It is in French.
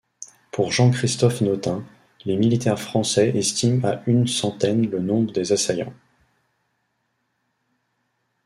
Pour Jean-Christophe Notin, les militaires français estiment à une centaine le nombre des assaillants.